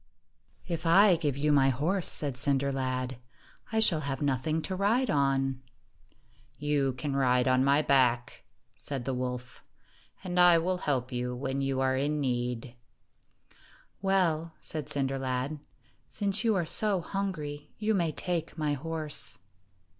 1 1 1 "If I give you my horse," said Cinder lad, "I shall have nothing to ride on." "You can ride on my back," said the wolf, "and I will help you when you are in need." "Well," said Cinder lad, "since you are so hungry, you may take my horse."